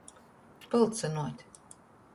Pylcynuot.